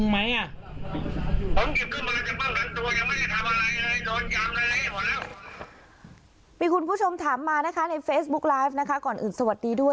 มีคุณผู้ชมถามมานะคะในเฟซบุ๊กไลฟ์นะคะก่อนอื่นสวัสดีด้วย